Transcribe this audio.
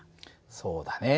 そうだね。